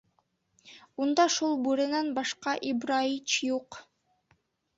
Унда шул бүренән башҡа Ибраич юҡ.